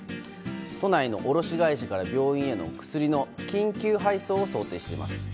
都内の卸会社から病院への薬の緊急配送を想定しています。